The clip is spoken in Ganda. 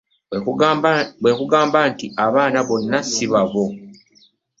Bwe nkugamba nti abaana bonna si babo?